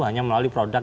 hanya melalui produk